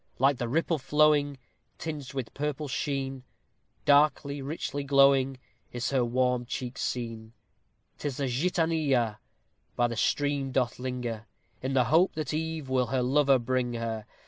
Like the ripple flowing, Tinged with purple sheen, Darkly, richly glowing, Is her warm cheek seen. 'Tis the Gitanilla By the stream doth linger, In the hope that eve Will her lover bring her.